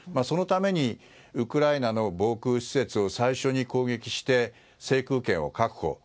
そのためにウクライナの防空施設を最初に攻撃して、制空権を確保。